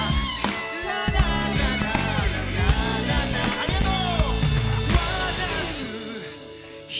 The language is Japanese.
ありがとう！